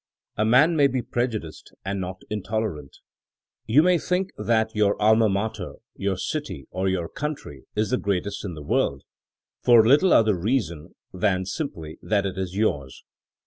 A man may be preju diced and not intolerant. You may think that your alma mater, your city, or your country, is the greatest in the world, for little other reason than simply that it is yours.